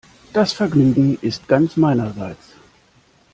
Das Vergnügen ist ganz meinerseits.